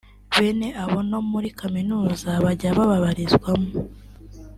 Bene abo no muri kaminuza bajya babarizwamo